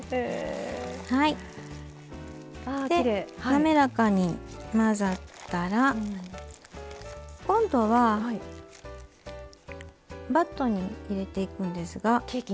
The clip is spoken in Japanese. なめらかに混ざったら今度はバットに入れていくんですが。